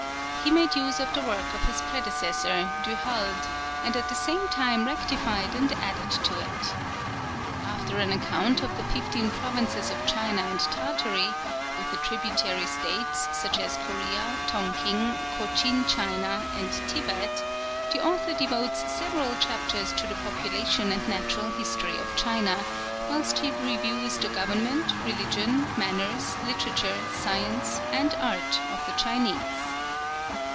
He made use of the work of his predecessor, Du Halde, and at the same time rectified and added to it. After an account of the fifteen provinces of China and Tartary, with the tributary States, such as Corea, Tonking, Cochin China, and Thibet, the author devotes several chapters to the population and natural history of China, whilst he reviews the government, religion, manners, literature, science, and art of the Chinese.